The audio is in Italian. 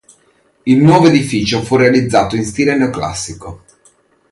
Il nuovo edificio fu realizzato in stile neoclassico.